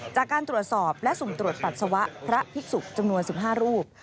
จากการตรวจสอบและสูมตรวจผัดศวะเพราะภิกษุจังนวนสิบห้ารูป